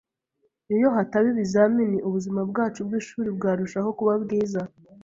Iyo hataba ibizamini, ubuzima bwacu bwishuri bwarushaho kuba bwiza.